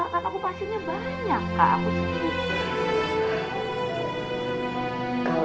kan aku pasirnya banyak kak